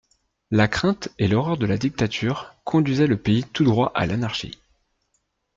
La crainte et l'horreur de la dictature conduisaient le pays tout droit à l'anarchie.